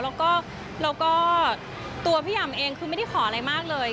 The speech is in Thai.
แล้วก็ตัวพี่ห่ำเองคือไม่ได้ขออะไรมากเลย